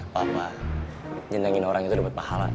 papa nyentangin orang itu udah buat pahala